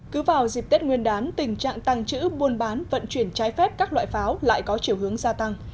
cứ vào dịp tết nguyên đán tình trạng tăng chữ buôn bán vận chuyển trái phép các loại pháo lại có chiều hướng gia tăng